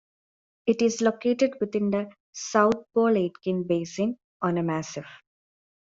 It is located within the South Pole-Aitken basin on a massif.